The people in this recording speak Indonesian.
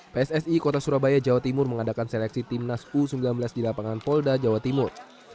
pssi kota surabaya jawa timur mengadakan seleksi timnas u sembilan belas di lapangan polda jawa timur